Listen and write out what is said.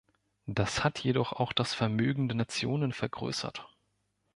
Das hat jedoch auch das Vermögen der Nationen vergrößert.